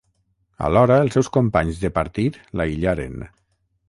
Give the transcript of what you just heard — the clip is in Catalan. Alhora els seus companys de partit l'aïllaren.